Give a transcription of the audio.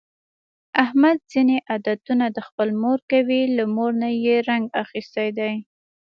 احمد ځني عادتونه د خپلې مور کوي، له مور نه یې رنګ اخیستی دی.